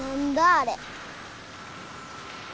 あれ。